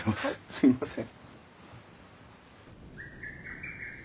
すいません。